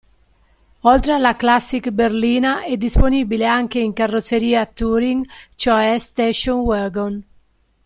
Oltre alla classic berlina è disponibile anche in carrozzeria Touring, cioè Station Wagon.